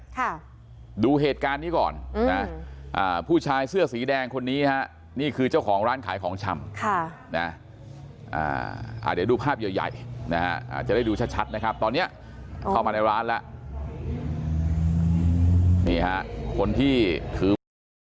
ภาพใหญ่ใหญ่นะฮะอาจจะได้ดูชัดชัดนะครับตอนนี้เข้ามาในร้านละนี่ฮะคนที่คือ